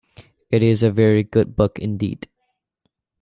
It is a very good book, indeed.